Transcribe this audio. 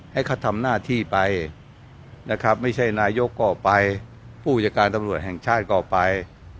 ให้เขาทำหน้าที่ไปนะครับไม่ใช่นายกก็ไปผู้จัดการตำรวจแห่งชาติก็ไป